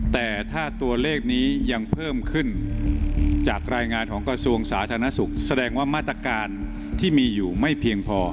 แต่ถ้าตัวเลขนี้ยังเพิ่มขึ้นจากรายงานของกระทรวงสาธารณสุขแสดงว่ามาตรการที่มีอยู่ไม่เพียงพอ